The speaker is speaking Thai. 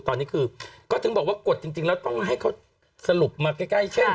ตอนนี้คือก็ถึงบอกว่ากฎจริงแล้วต้องให้เขาสรุปมาใกล้เช่น